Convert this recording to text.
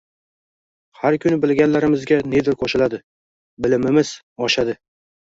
Har kuni bilganlarimizga nedir qo‘shiladi, bilimimiz oshadi